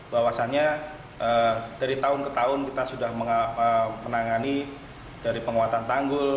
bahwasannya dari tahun ke tahun kita sudah menangani dari penguatan tanggul